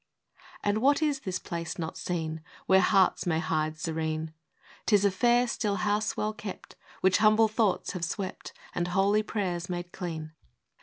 v. And what is this place not seen, Where Hearts may hide serene ?—" 'T is a fair still house well kept, Which humble thoughts have swept, And holy prayers made clean.